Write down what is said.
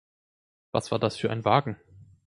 Was war das für ein Wagen?